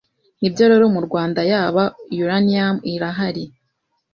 Nibyo rero mu Rwanda yaba uranium irahari,